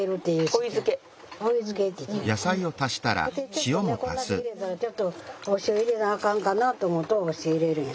ちょっとねこんだけ入れたらちょっとお塩入れなあかんかなと思うとお塩入れるんや。